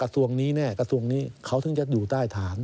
กระทรวงนี้แน่กระทรวงนี้เขาถึงจะอยู่ใต้ฐาน